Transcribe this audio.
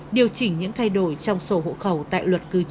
điều chỉnh những thay đổi trong sổ hộ khẩu tại luật cư chú hiện hành